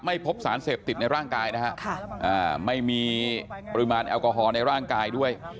พบสารเสพติดในร่างกายนะฮะไม่มีปริมาณแอลกอฮอล์ในร่างกายด้วย